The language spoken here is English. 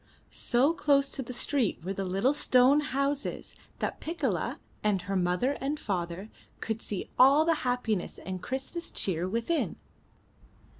So close to the street were the little stone houses, that Piccola and her mother and father could see all the happiness and Christmas cheer within.